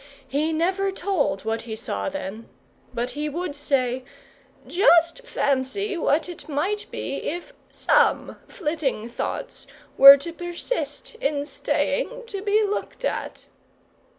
He never told what he saw then; but he would say: "Just fancy what it might be if some flitting thoughts were to persist in staying to be looked at."